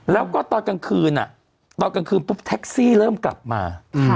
แล้วก็ตอนกลางคืนตอนกลางคืนปุ๊บแท็กซี่เริ่มกลับมา